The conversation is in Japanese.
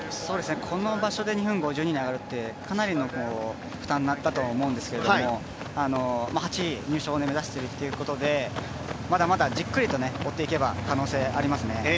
この場所で２分５２で上がるってかなりの負担になったと思うんですけれども８位入賞を目指しているということで、まだまだじっくりと追っていけば可能性、ありますね。